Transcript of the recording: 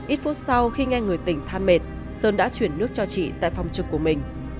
ít phút sau khi nghe người tỉnh than mệt sơn đã chuyển nước cho chị tại phòng trực của mình